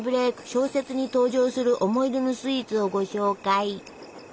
小説に登場する思い出のスイーツをご紹介。